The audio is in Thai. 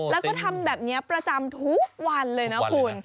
แล้วก็ทำแบบนี้ประจำทุกวันเลยนะคุณ